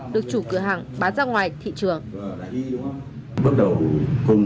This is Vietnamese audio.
được chủ cửa hàng bán ra ngoài thị trường